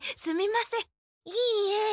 いいえ。